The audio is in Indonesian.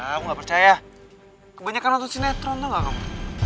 aku gak percaya kebanyakan nonton sinetron tau gak kamu